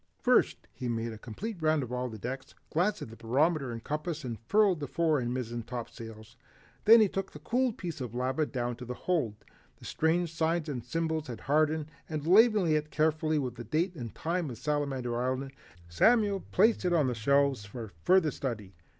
First, he made a complete round of all decks, glanced at the barometer and compass, and furled the fore and mizzen topsails. Then he took the cooled piece of lava down to the hold. The strange signs and symbols had hardened, and labeling it carefully with the date and name of Salamander Island, Samuel placed it on his shelves for further study.